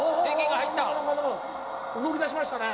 動き出しましたね！